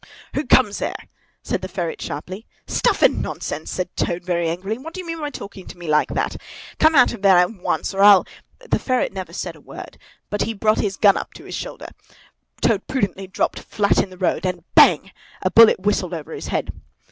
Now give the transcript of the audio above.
"Who comes there?" said the ferret sharply. "Stuff and nonsense!" said Toad, very angrily. "What do you mean by talking like that to me? Come out of that at once, or I'll——" The ferret said never a word, but he brought his gun up to his shoulder. Toad prudently dropped flat in the road, and Bang! a bullet whistled over his head.